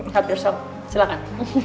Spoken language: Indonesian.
help yourself silakan